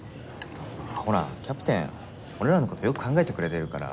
ほらキャプテン俺らの事よく考えてくれてるから。